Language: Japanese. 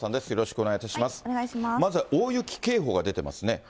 まずは大雪警報が出ていますね。